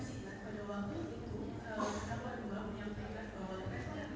dia hanya mengobrolkan mengenai kebenaran hati ini